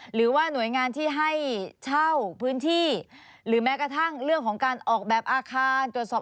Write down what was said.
หรือว่าหน่วยงานที่ให้เช่าพื้นที่หรือแม้กระทั่งเรื่องของการออกแบบอาคารตรวจสอบ